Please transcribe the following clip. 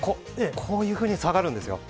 こういうふうに下がるんです